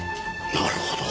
なるほど。